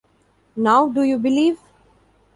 Now do you believe?